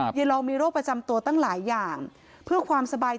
ยายลองมีโรคประจำตัวตั้งหลายอย่างเพื่อความสบาย